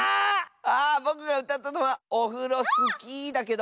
あぼくがうたったのはオフロスキーだけど。